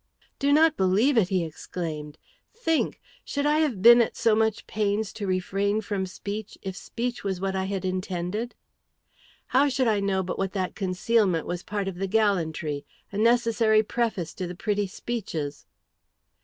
"Do not believe it!" he exclaimed. "Think! Should I have been at so much pains to refrain from speech, if speech was what I had intended?" "How should I know but what that concealment was part of the gallantry, a necessary preface to the pretty speeches?"